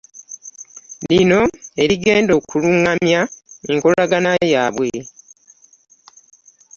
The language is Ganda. Lino erigenda okulungamya enkolagana yaabwe.